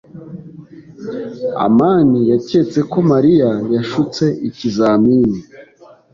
amani yaketse ko Mariya yashutse ikizamini.